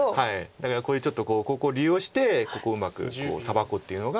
だからこういうちょっとここ利用してここをうまくサバこうっていうのが。